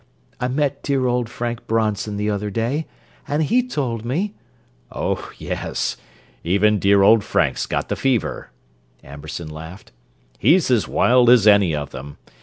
I met dear old Frank Bronson the other day, and he told me—" "Oh, yes, even dear old Frank's got the fever," Amberson laughed. "He's as wild as any of them.